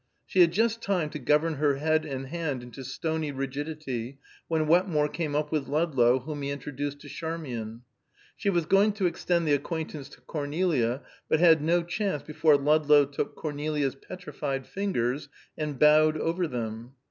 She had just time to govern her head and hand into stony rigidity, when Wetmore came up with Ludlow, whom he introduced to Charmian. She was going to extend the acquaintance to Cornelia, but had no chance before Ludlow took Cornelia's petrified fingers and bowed over them.